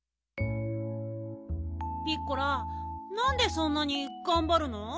ピッコラなんでそんなにがんばるの？